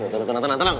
tenang tenang tenang